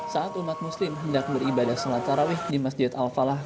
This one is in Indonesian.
saat umat muslim hendak beribadah sholat tarawih di masjid al falah